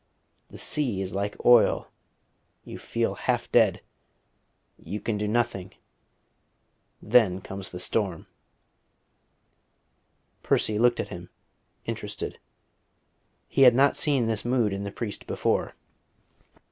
The sea is like oil; you feel half dead: you can do nothing. Then comes the storm." Percy looked at him, interested. He had not seen this mood in the priest before.